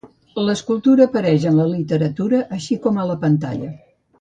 L'escultura apareix en la literatura, així com a la pantalla.